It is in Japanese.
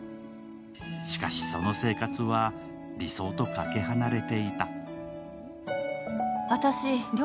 しかし、その生活は理想とかけ離れていた。